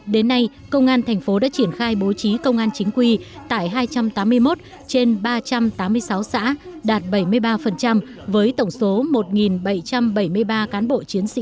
đến nay công an thành phố đã triển khai bố trí công an chính quy tại hai trăm tám mươi một trên ba trăm tám mươi sáu xã đạt bảy mươi ba với tổng số một trăm một mươi sáu